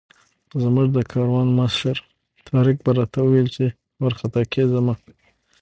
زموږ د کاروان مشر طارق به راته ویل چې وارخطا کېږه مه.